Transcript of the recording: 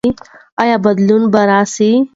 ایا بدلون به راسي؟